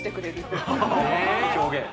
いい表現。